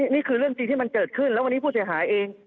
นี่คือเรื่องจริงที่มันเกิดขึ้นแล้ววันนี้ผู้เสียหายเอง